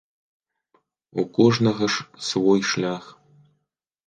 У кожнага ж свой шлях.